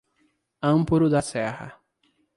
Amparo da Serra